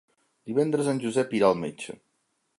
Divendres en Josep irà al metge.